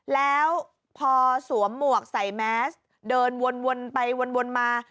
แล้วพอสวมหมวกใส่แมสเดินวนไปวนมา